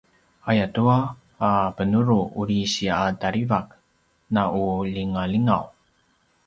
ayatua a benuru uri si’a tarivak na u lingalingaw